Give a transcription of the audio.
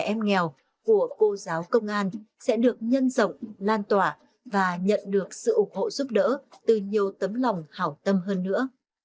các em nghèo của cô giáo công an sẽ được nhân rộng lan tỏa và nhận được sự ủng hộ giúp đỡ từ nhiều tấm lòng hảo tâm hơn nữa